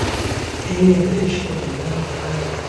اې د عشق د دنیا خدایه.